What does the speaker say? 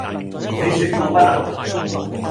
你説過不能。」